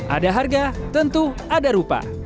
ada harga tentu ada rupa